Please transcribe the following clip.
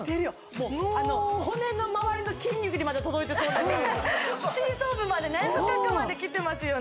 もう骨の周りの筋肉にまで届いてそうなぐらいの深層部までね深くまできてますよね